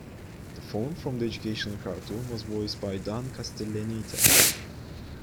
The phone from the educational cartoon was voiced by Dan Castellaneta.